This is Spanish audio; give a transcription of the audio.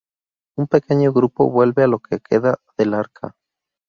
Un pequeño grupo vuelve a lo que queda del Arca.